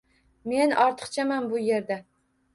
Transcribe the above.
Men ortiqchaman bu yerda.